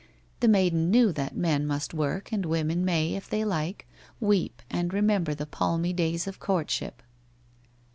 The maiden knew that men must work and women may, if they like, weep, and remember the palmy days of courtship